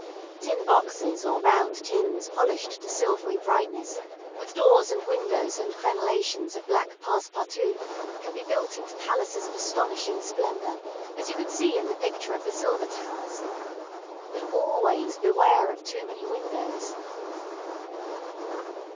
Tin boxes or round tins polished to silvery brightness, with doors and windows and crenellations of black passe partout, can be built into palaces of astonishing splendour, as you can see in the picture of the silver towers. But always beware of too many windows.